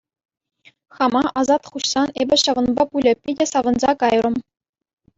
Хама асат хуҫсан эпӗ ҫавӑнпа пулӗ питӗ савӑнса кайрӑм.